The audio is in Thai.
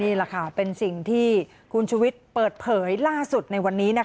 นี่แหละค่ะเป็นสิ่งที่คุณชุวิตเปิดเผยล่าสุดในวันนี้